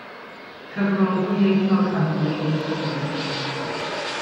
Cyfrol ddwyieithog am y gwleidydd o Gymru.